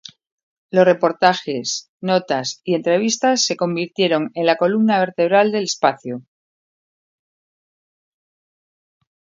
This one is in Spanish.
Los reportajes, notas y entrevistas se convirtieron en la columna vertebral del espacio.